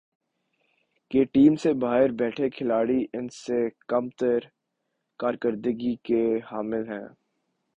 کہ ٹیم سے باہر بیٹھے کھلاڑی ان سے کم تر کارکردگی کے حامل ہیں ۔